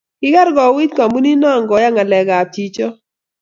kiker koui kampunii no koyan ngalek kap chichoo